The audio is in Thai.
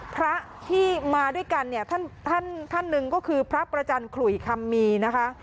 พระที่มาด้วยกันเนี่ยท่านท่านหนึ่งก็คือพระประจันขลุยคำมีนะคะ